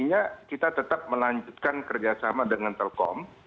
jadi kita tetap melanjutkan kerjasama dengan telkom